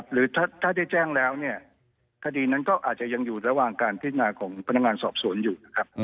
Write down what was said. หรือถ้าได้แจ้งแล้วเนี่ยคดีนั้นก็อาจจะยังอยู่ระหว่างการพิจารณาของพนักงานสอบสวนอยู่นะครับ